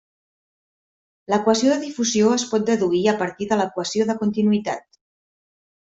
L'equació de difusió es pot deduir a partir de l'equació de continuïtat.